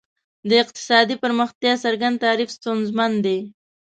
د اقتصادي پرمختیا څرګند تعریف ستونزمن دی.